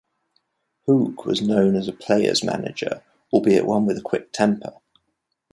Houk was known as a "player's manager"-albeit one with a quick temper.